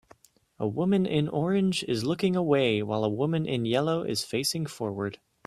A woman in orange is looking away while a woman in yellow is facing forward